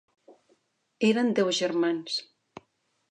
Eren deu germans.